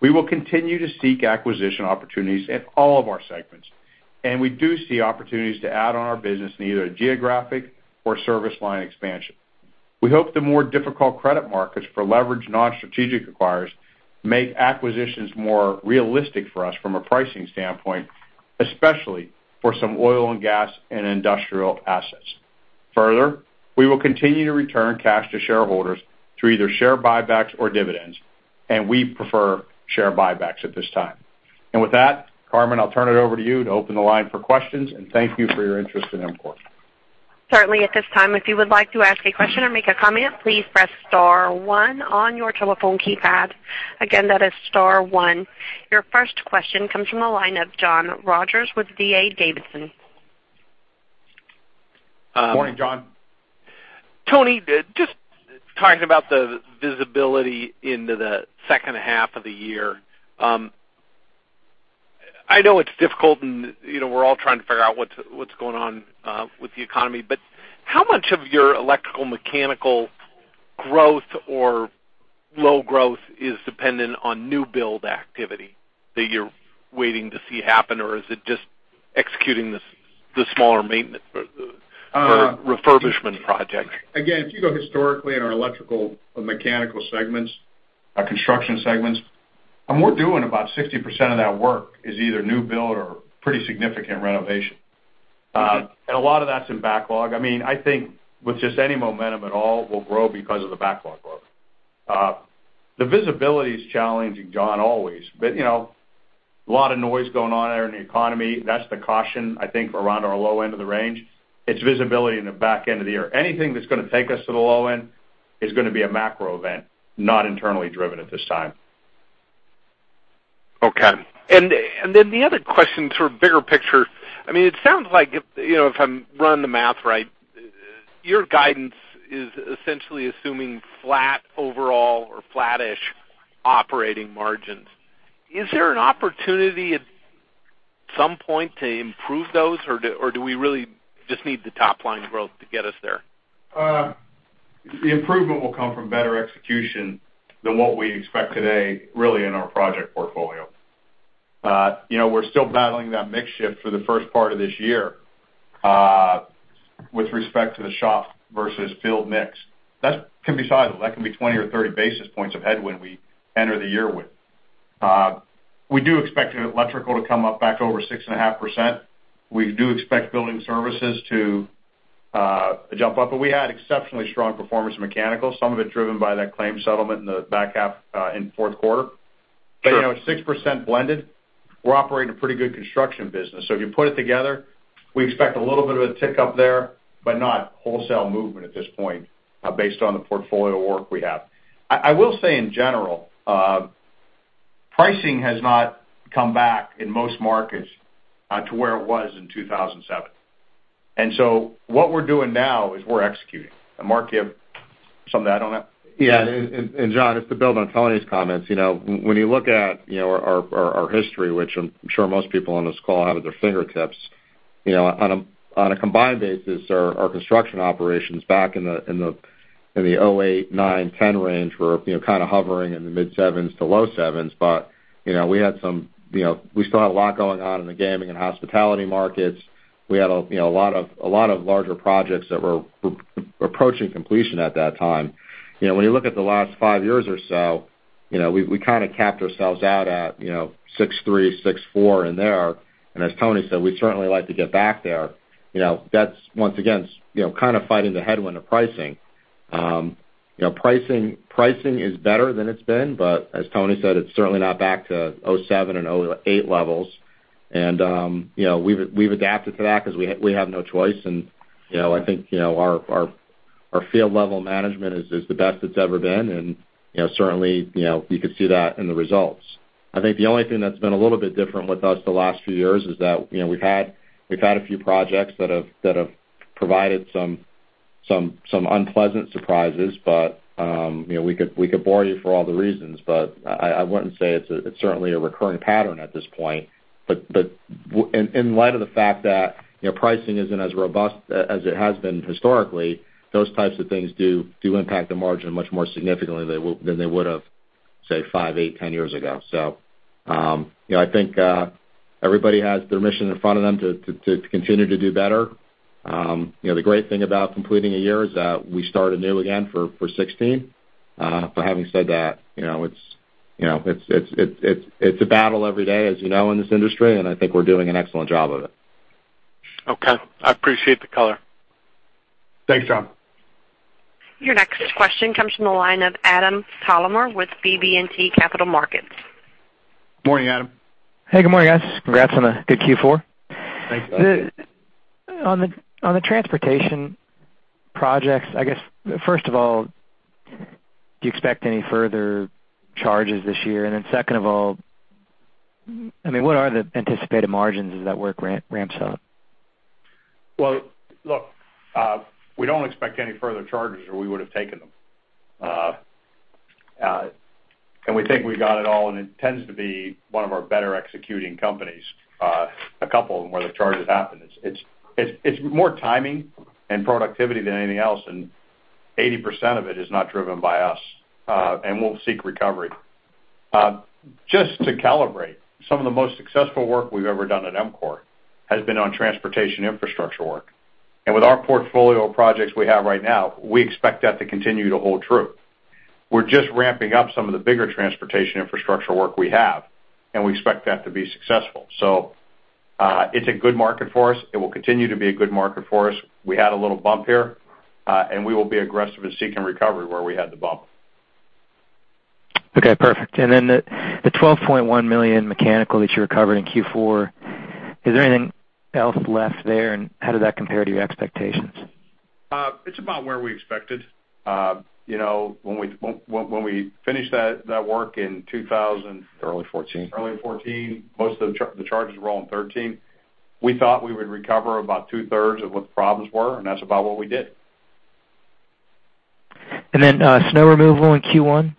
We will continue to seek acquisition opportunities in all of our segments. We do see opportunities to add on our business in either geographic or service line expansion. We hope the more difficult credit markets for leveraged non-strategic acquirers make acquisitions more realistic for us from a pricing standpoint, especially for some oil and gas and industrial assets. Further, we will continue to return cash to shareholders through either share buybacks or dividends. We prefer share buybacks at this time. With that, Carmen, I'll turn it over to you to open the line for questions. Thank you for your interest in EMCOR.
Certainly. At this time, if you would like to ask a question or make a comment, please press star one on your telephone keypad. Again, that is star one. Your first question comes from the line of John Rogers with D.A. Davidson & Co.
Morning, John.
Tony, just talking about the visibility into the second half of the year. I know it's difficult, and we're all trying to figure out what's going on with the economy, how much of your electrical mechanical growth or low growth is dependent on new build activity that you're waiting to see happen, or is it just executing the smaller maintenance for refurbishment projects?
If you go historically in our electrical or mechanical segments, our construction segments, we're doing about 60% of that work is either new build or pretty significant renovation. A lot of that's in backlog. I think with just any momentum at all, we'll grow because of the backlog load. The visibility is challenging, John, always. A lot of noise going on there in the economy. That's the caution, I think, around our low end of the range. It's visibility in the back end of the year. Anything that's going to take us to the low end is going to be a macro event, not internally driven at this time.
Okay. The other question, sort of bigger picture. It sounds like if I'm running the math right, your guidance is essentially assuming flat overall or flattish operating margins. Is there an opportunity at some point to improve those, or do we really just need the top-line growth to get us there?
The improvement will come from better execution than what we expect today, really in our project portfolio. We're still battling that mix shift for the first part of this year with respect to the shop versus build mix. That can be sizable. That can be 20 or 30 basis points of headwind we enter the year with. We do expect Electrical to come up back over 6.5%. We do expect Building Services to jump up. We had exceptionally strong performance in Mechanical, some of it driven by that claim settlement in the back half in the fourth quarter.
Sure.
At 6% blended, we're operating a pretty good construction business. If you put it together, we expect a little bit of a tick up there, but not wholesale movement at this point based on the portfolio work we have. I will say, in general, pricing has not come back in most markets to where it was in 2007. What we're doing now is we're executing. Mark, you have something to add on that?
Yeah. John, just to build on Tony's comments, when you look at our history, which I'm sure most people on this call have at their fingertips, on a combined basis, our construction operations back in the 2008, 2009, 2010 range were kind of hovering in the mid-sevens to low sevens. We still had a lot going on in the gaming and hospitality markets. We had a lot of larger projects that were approaching completion at that time. When you look at the last five years or so, we kind of capped ourselves out at 6.3, 6.4 in there. As Tony said, we'd certainly like to get back there. That's, once again, kind of fighting the headwind of pricing. Pricing is better than it's been, but as Tony said, it's certainly not back to 2007 and 2008 levels. We've adapted to that because we have no choice. I think our field-level management is the best it's ever been. Certainly, you could see that in the results. I think the only thing that's been a little bit different with us the last few years is that we've had a few projects that have provided some unpleasant surprises. We could bore you for all the reasons, but I wouldn't say it's certainly a recurring pattern at this point. In light of the fact that pricing isn't as robust as it has been historically, those types of things do impact the margin much more significantly than they would have, say, five, eight, 10 years ago. I think everybody has their mission in front of them to continue to do better. The great thing about completing a year is that we start anew again for 2016. Having said that, it's a battle every day, as you know, in this industry, and I think we're doing an excellent job of it.
Okay. I appreciate the color.
Thanks, John.
Your next question comes from the line of Adam Thalhimer with BB&T Capital Markets.
Morning, Adam.
Hey, good morning, guys. Congrats on a good Q4.
Thanks, Adam.
On the transportation projects, I guess, first of all, do you expect any further charges this year? Second of all, what are the anticipated margins as that work ramps up?
Well, look, we don't expect any further charges or we would have taken them. We think we got it all, and it tends to be one of our better executing companies, a couple of them where the charges happen. It's more timing and productivity than anything else, 80% of it is not driven by us, we'll seek recovery. Just to calibrate, some of the most successful work we've ever done at EMCOR has been on transportation infrastructure work. With our portfolio of projects we have right now, we expect that to continue to hold true. We're just ramping up some of the bigger transportation infrastructure work we have, and we expect that to be successful. It's a good market for us. It will continue to be a good market for us. We had a little bump here, we will be aggressive in seeking recovery where we had the bump.
Okay, perfect. The $12.1 million mechanical that you recovered in Q4, is there anything else left there, how did that compare to your expectations?
It's about where we expected. When we finished that work in two thousand-
Early 2014.
Early 2014, most of the charges were all in 2013. We thought we would recover about two-thirds of what the problems were, and that's about what we did.
Snow removal in Q1?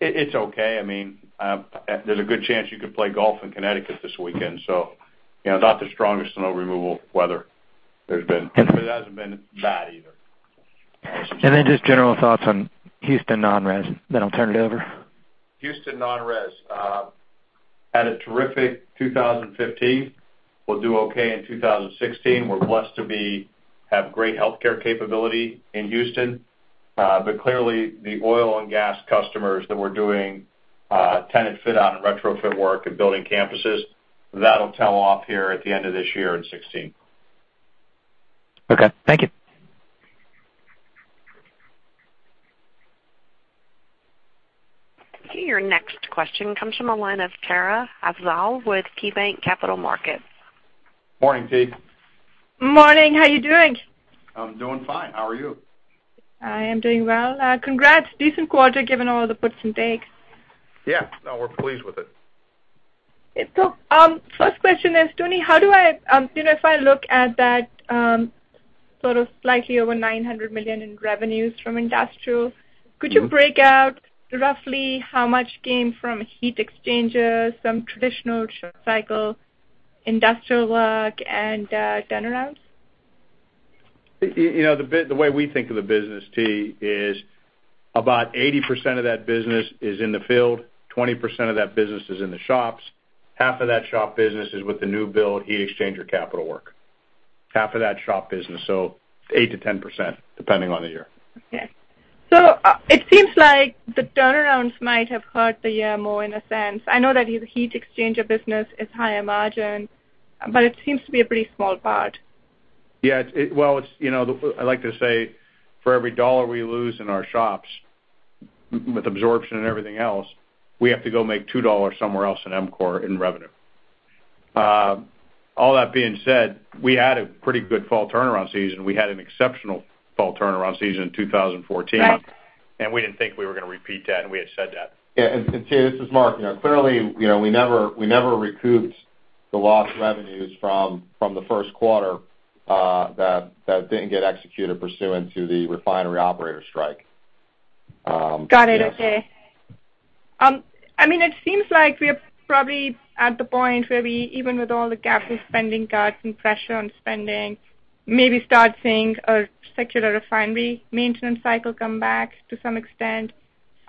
It's okay. There's a good chance you could play golf in Connecticut this weekend. Not the strongest snow removal weather there's been, but it hasn't been bad either.
Then just general thoughts on Houston non-res, then I'll turn it over.
Houston non-res had a terrific 2015. We'll do okay in 2016. We're blessed to have great healthcare capability in Houston. Clearly, the oil and gas customers that we're doing tenant fit-out and retrofit work and building campuses, that'll tail off here at the end of this year in 2016.
Okay, thank you.
Your next question comes from the line of Tahira Afzal with KeyBanc Capital Markets.
Morning, T.
Morning. How you doing?
I'm doing fine. How are you?
I am doing well. Congrats. Decent quarter given all the puts and takes.
Yeah. No, we're pleased with it.
First question is, Tony, if I look at that sort of slightly over $900 million in revenues from industrial. Could you break out roughly how much came from heat exchangers, some traditional cycle industrial work, and turnarounds?
The way we think of the business, T, is about 80% of that business is in the field, 20% of that business is in the shops. Half of that shop business is with the new build heat exchanger capital work. Half of that shop business. 8%-10%, depending on the year.
Okay. It seems like the turnarounds might have hurt the year more in a sense. I know that your heat exchanger business is higher margin, but it seems to be a pretty small part.
Yeah. I like to say for every $1 we lose in our shops with absorption and everything else, we have to go make $2 somewhere else in EMCOR in revenue. All that being said, we had a pretty good fall turnaround season. We had an exceptional fall turnaround season in 2014.
Right.
We didn't think we were going to repeat that, and we had said that.
Yeah. T, this is Mark. Clearly, we never recouped the lost revenues from the first quarter that didn't get executed pursuant to the refinery operator strike.
Got it. Okay. It seems like we are probably at the point where we, even with all the capital spending cuts and pressure on spending, maybe start seeing a secular refinery maintenance cycle come back to some extent.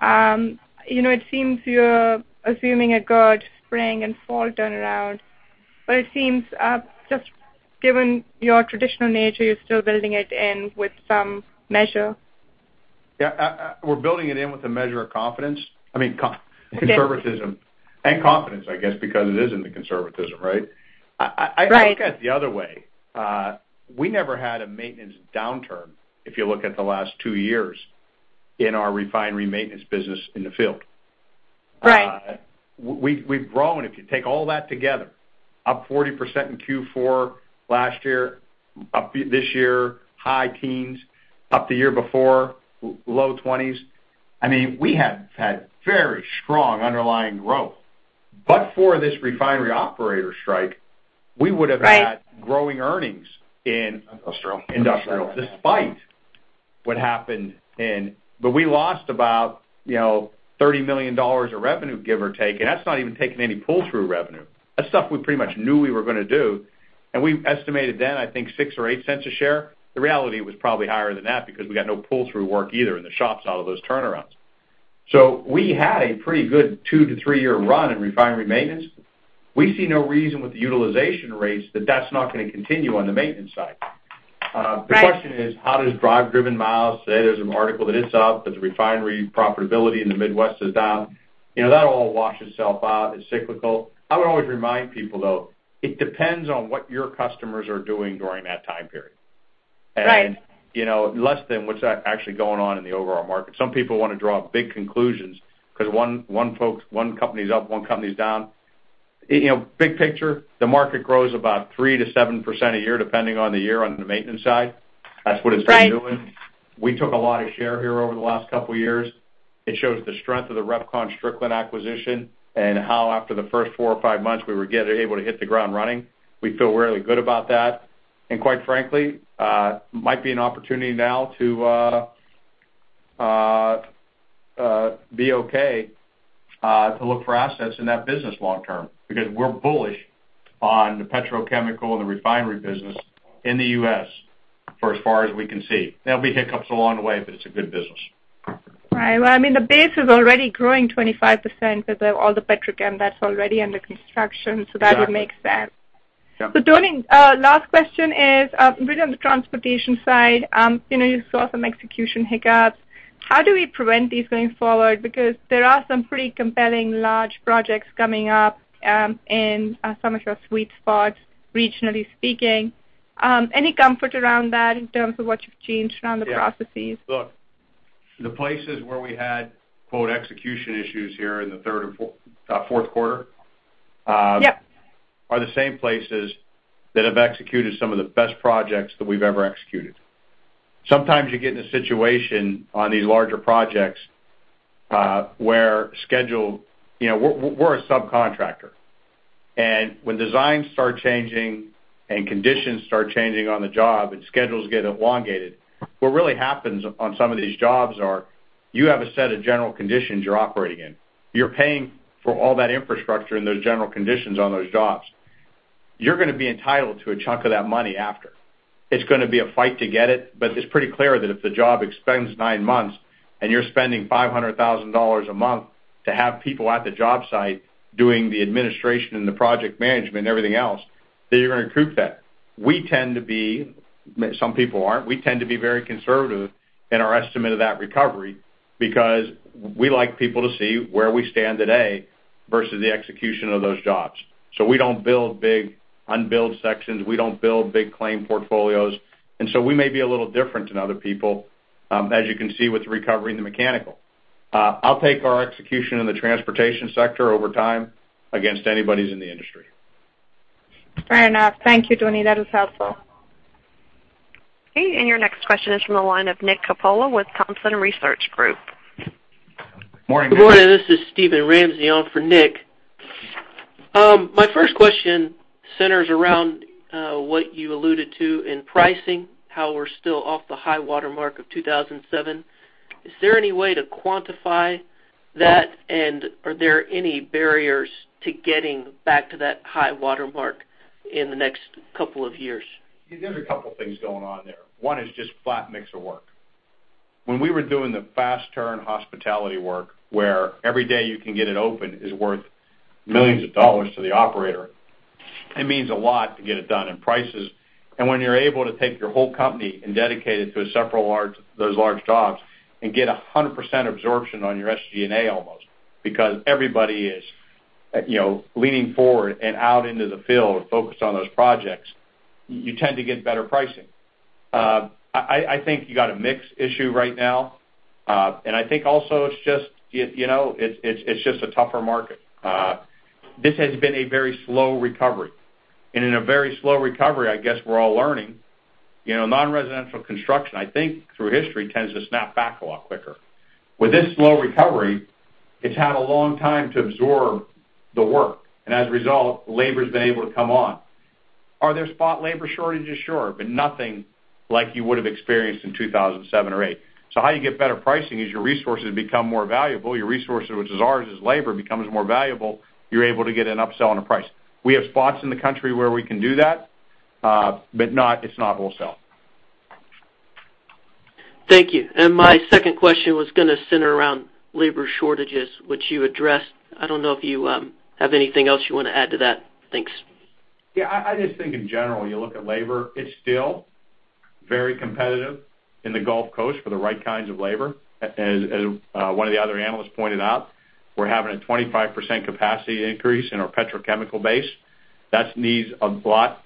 It seems you're assuming a good spring and fall turnaround, it seems just given your traditional nature, you're still building it in with some measure.
Yeah. We're building it in with a measure of confidence. I mean, conservatism. Confidence, I guess, because it is in the conservatism, right?
Right.
I look at it the other way. We never had a maintenance downturn, if you look at the last two years, in our refinery maintenance business in the field.
Right.
We've grown, if you take all that together, up 40% in Q4 last year. This year, high teens. Up the year before, low 20s. We have had very strong underlying growth. For this refinery operator strike, we would have had
Right
growing earnings in
Industrial
industrial despite what happened in. We lost about $30 million of revenue, give or take, and that's not even taking any pull-through revenue. That's stuff we pretty much knew we were going to do, and we estimated then, I think, $0.06 or $0.08 a share. The reality was probably higher than that because we got no pull-through work either in the shops out of those turnarounds. We had a pretty good two- to three-year run in refinery maintenance. We see no reason with the utilization rates that that's not going to continue on the maintenance side.
Right.
The question is, how does drive driven miles, today there's an article that it's up, that the refinery profitability in the Midwest is down. That'll all wash itself out. It's cyclical. I would always remind people, though, it depends on what your customers are doing during that time period.
Right.
Less than what's actually going on in the overall market. Some people want to draw big conclusions because one company's up, one company's down. Big picture, the market grows about 3%-7% a year, depending on the year, on the maintenance side. That's what it's been doing.
Right.
We took a lot of share here over the last couple of years. It shows the strength of the RepconStrickland acquisition and how after the first four or five months we were able to hit the ground running. We feel really good about that. Quite frankly, might be an opportunity now to be okay to look for assets in that business long term because we're bullish on the petrochemical and the refinery business in the U.S. for as far as we can see. There will be hiccups along the way, it's a good business.
Right. Well, the base is already growing 25% with all the petrochem that's already under construction.
Yeah.
That would make sense.
Yeah.
Tony, last question is a bit on the transportation side. You saw some execution hiccups. How do we prevent these going forward? There are some pretty compelling large projects coming up in some of your sweet spots, regionally speaking. Any comfort around that in terms of what you've changed around the processes?
Yeah. Look, the places where we had "execution issues" here in the third and fourth quarter-
Yep
are the same places that have executed some of the best projects that we've ever executed. Sometimes you get in a situation on these larger projects where We're a subcontractor, and when designs start changing and conditions start changing on the job and schedules get elongated, what really happens on some of these jobs are you have a set of general conditions you're operating in. You're paying for all that infrastructure and those general conditions on those jobs. You're going to be entitled to a chunk of that money after. It's going to be a fight to get it, but it's pretty clear that if the job extends nine months and you're spending $500,000 a month to have people at the job site doing the administration and the project management and everything else, that you're going to recoup that. Some people aren't. We tend to be very conservative in our estimate of that recovery because we like people to see where we stand today versus the execution of those jobs. We don't build big unbilled sections. We don't build big claim portfolios. We may be a little different than other people as you can see with the recovery in the mechanical. I'll take our execution in the transportation sector over time against anybody's in the industry.
Fair enough. Thank you, Tony. That is helpful.
Okay. Your next question is from the line of Nick Coppola with Thompson Research Group.
Good morning. This is Steven Ramsey on for Nick. My first question centers around what you alluded to in pricing, how we're still off the high watermark of 2007. Is there any way to quantify that? Are there any barriers to getting back to that high watermark in the next couple of years?
There's a couple of things going on there. One is just flat mix of work. When we were doing the fast turn hospitality work, where every day you can get it open is worth millions of dollars to the operator, it means a lot to get it done and prices. When you're able to take your whole company and dedicate it to several of those large jobs and get 100% absorption on your SG&A almost, because everybody is leaning forward and out into the field focused on those projects, you tend to get better pricing. I think you got a mix issue right now. I think also it's just a tougher market. This has been a very slow recovery. In a very slow recovery, I guess we're all learning, non-residential construction, I think, through history, tends to snap back a lot quicker. With this slow recovery, it's had a long time to absorb the work, and as a result, labor's been able to come on. Are there spot labor shortages? Sure. Nothing like you would have experienced in 2007 or 2008. How you get better pricing is your resources become more valuable. Your resources, which is ours is labor, becomes more valuable, you're able to get an upsell on a price. We have spots in the country where we can do that, but it's not wholesale.
Thank you. My second question was going to center around labor shortages, which you addressed. I don't know if you have anything else you want to add to that. Thanks.
Yeah. I just think in general, you look at labor, it's still very competitive in the Gulf Coast for the right kinds of labor. As one of the other analysts pointed out, we're having a 25% capacity increase in our petrochemical base. That needs a lot.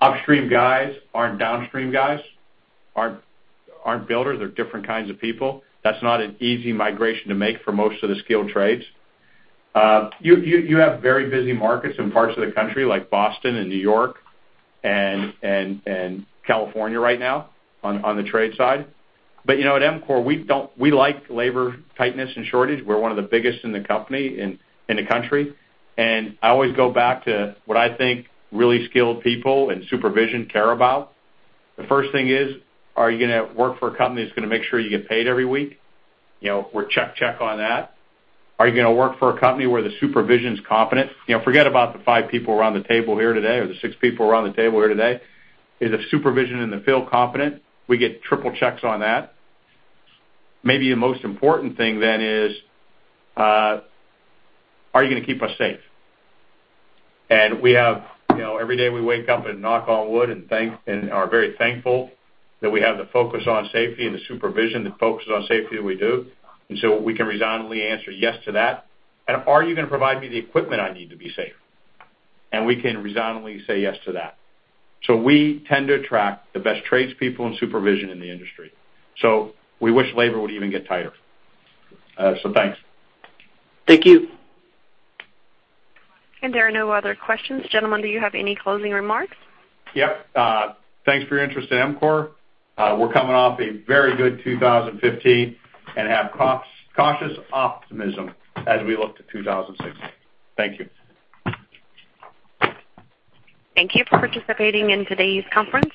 Upstream guys aren't downstream guys, aren't builders. They're different kinds of people. That's not an easy migration to make for most of the skilled trades. You have very busy markets in parts of the country like Boston and New York and California right now on the trade side. At EMCOR, we like labor tightness and shortage. We're one of the biggest in the country. I always go back to what I think really skilled people and supervision care about. The first thing is, are you going to work for a company that's going to make sure you get paid every week? We're check on that. Are you going to work for a company where the supervision is competent? Forget about the five people around the table here today or the six people around the table here today. Is the supervision in the field competent? We get triple checks on that. Maybe the most important thing then is, are you going to keep us safe? Every day we wake up and knock on wood and are very thankful that we have the focus on safety and the supervision that focuses on safety that we do. We can resoundingly answer yes to that. Are you going to provide me the equipment I need to be safe? We can resoundingly say yes to that. We tend to attract the best trades people and supervision in the industry. We wish labor would even get tighter. Thanks.
Thank you.
There are no other questions. Gentlemen, do you have any closing remarks?
Yep. Thanks for your interest in EMCOR. We're coming off a very good 2015 and have cautious optimism as we look to 2016. Thank you.
Thank you for participating in today's conference.